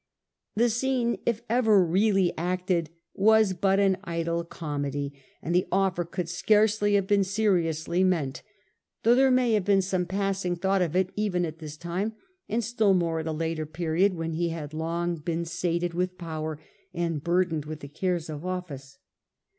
The scene, if ever really acted, was but an idle comedy, and the offer could scarcely have been seriously meant, though there may have been some passing thought of it even at this time and still more at a later period, when he had long been sated with power and burdened with the cares of office.